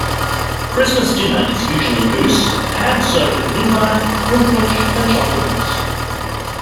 Christmas dinner is usually goose, ham served with Gluhwein, Rumpunsch, and chocolate mousse.